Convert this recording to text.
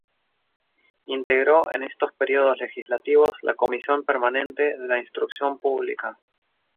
Integró en estos períodos legislativos la Comisión permanente de Instrucción Pública.